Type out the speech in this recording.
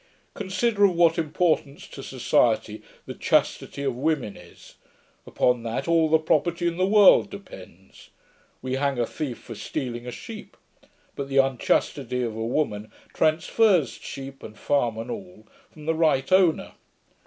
Consider, of what importance to society the chastity of women is. Upon that all the property in the world depends. We hang a thief for stealing a sheep; but the unchastity of a woman transfers sheep, and farm and all, from the right owner.